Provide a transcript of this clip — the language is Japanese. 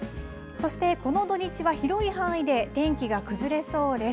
そして、この土日は広い範囲で天気が崩れそうです。